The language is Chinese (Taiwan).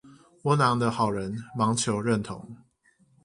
窩囊的好人忙求認同